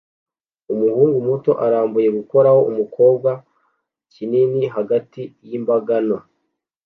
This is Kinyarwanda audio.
Umuhungu muto arambuye gukoraho umukobwa kinini hagati yimbaga nto